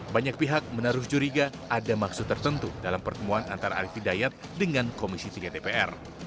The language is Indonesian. banyak pihak menaruh curiga ada maksud tertentu dalam pertemuan antara arief hidayat dengan komisi tiga dpr